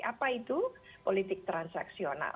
apa itu politik transaksional